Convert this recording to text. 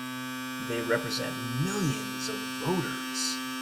They represent millions of voters!